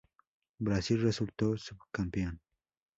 Brasil resultó subcampeón.